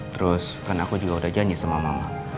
terus kan aku juga udah janji sama mama